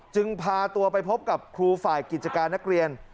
จึงพาตัวไปพบกับครูฝ่ายกิจการนักเรียน